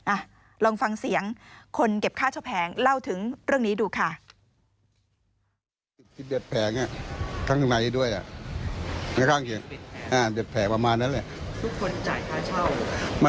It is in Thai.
อ่ะลองฟังเสียงคนเก็บค่าเช่าแผงเล่าถึงเรื่องนี้ดูค่ะ